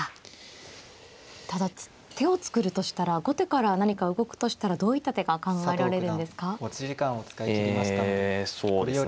ただ手を作るとしたら後手から何か動くとしたらどういった手が考えられるんですか。